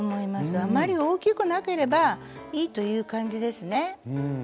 あまり大きくなければいいという感じですね。